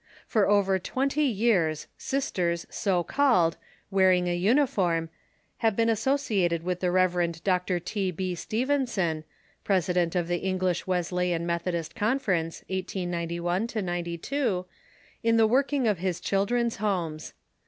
For over twenty years, sisters, so called, wearing a uniform, have been associated with the Rev. Dr. T. B. Stephenson, president of the English Wesleyan Methodist Conference, 1891 92, in the working of his Children's Homes.